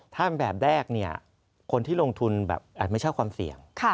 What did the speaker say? ถ้าเป็นแบบแดกคนที่ลงทุนแบบไม่ชอบความเสี่ยง